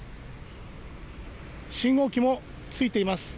信号機もついています。